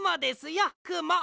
よくも。